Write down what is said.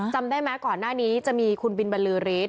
จำได้ไหมก่อนหน้านี้จะมีคุณบินบรรลือฤทธ